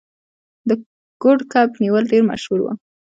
د کوډ کب نیول ډیر مشهور و.